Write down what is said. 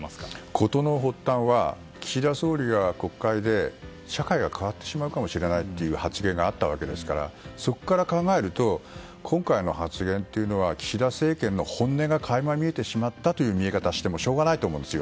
事の発端は岸田総理が国会で社会が変わってしまうかもしれないという発言があったわけですからそこから考えると、今回の発言は岸田政権の本音が垣間見えてしまったという見え方をしてもしょうがないと思うんですよ。